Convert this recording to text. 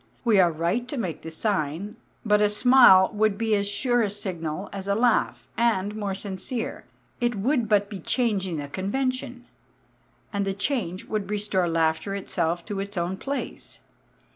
We are right to make the sign, but a smile would be as sure a signal as a laugh, and more sincere; it would but be changing the convention; and the change would restore laughter itself to its own place.